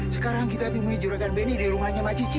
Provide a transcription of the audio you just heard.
sekarang kita temui juragan benny di rumahnya mbak cici